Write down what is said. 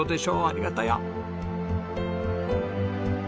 ありがたや。